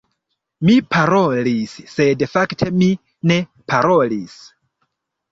Mi parolis, sed fakte mi ne parolis.